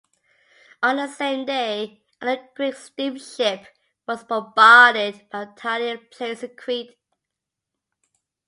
On the same day, another Greek steamship was bombarded by Italian planes in Crete.